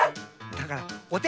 だからおて！